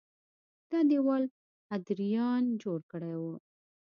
دا دېوال ادریان جوړ کړی و